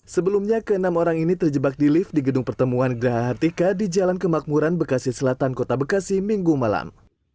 sebelumnya ke enam orang ini terjebak di lift di gedung pertemuan gerahatika di jalan kemakmuran bekasi selatan kota bekasi minggu malam